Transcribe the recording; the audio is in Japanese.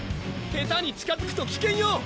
下手に近づくと危険よ！